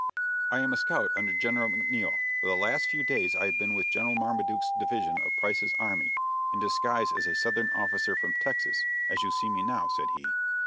"I am a scout under General McNiel. For the last few days I have been with General Marmaduke's division of Price's army, in disguise as a southern officer from Texas, as you see me now," said he.